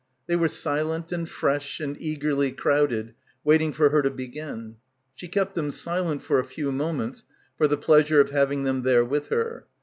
They were silent and fresh and eagerly crowded, waiting for her to begin. She kept them silent for a few moments for the pleasure of having them there with her.